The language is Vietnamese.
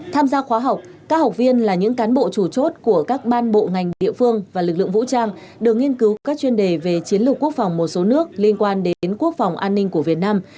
tham gia khóa học các học viên là những cán bộ chủ chốt của các ban bộ ngành địa phương và lực lượng vũ trang được nghiên cứu các chuyên đề về chiến lược quốc phòng một số nước liên quan đến quốc phòng an ninh của việt nam